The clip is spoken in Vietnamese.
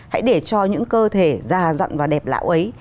hãy để cho những cơ thể già dặn và đẹp lão ấy